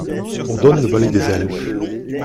On donne le Ballet des Elfes.